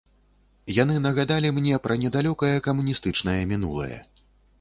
Яны нагадалі мне пра недалёкае камуністычнае мінулае.